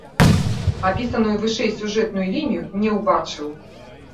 Апісаную вышэй сюжэтную лінію не ўбачыў.